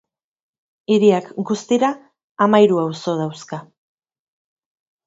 Hiriak guztira hamahiru auzo dauzka.